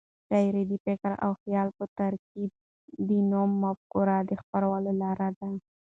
شاعري د فکر او خیال په ترکیب د نوو مفکورو د خپرولو لار ده.